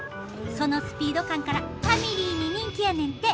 そのスピード感からファミリーに人気やねんて。